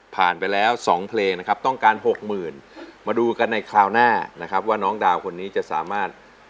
ไปแล้ว๒เพลงนะครับต้องการ๖๐๐๐มาดูกันในคราวหน้านะครับว่าน้องดาวคนนี้จะสามารถ